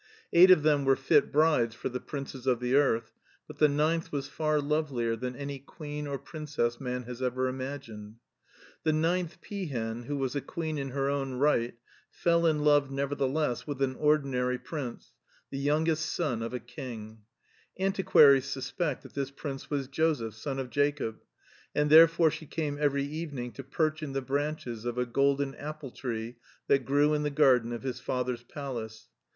Eight of them were fit brides for the princes of the earth, but the ninth was far lovelier than any queen or prin cess man has ever imagined. The ninth peahen, who was a queen in her own right, fell in love nevertheless with an ordinary prince, the youngest son of a king — antiquaries suspect that this prince was Joseph, son of Jacob — ^and therefore she came every evening to perch in the branches of a golden apple tree that grew in the garden of his father's palace.